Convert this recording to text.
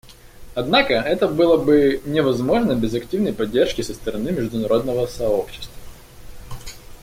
Однако это было бы невозможно без активной поддержки со стороны международного сообщества.